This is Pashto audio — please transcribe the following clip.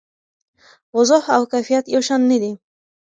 وضوح او کیفیت یو شان نه دي.